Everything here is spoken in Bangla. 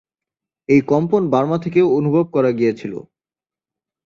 এই কম্পন বার্মা থেকেও অনুভব করা গিয়েছিল।